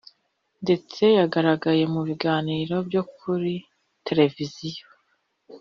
, ndetse yagaragaye mu biganiro byo kuri Televiziyo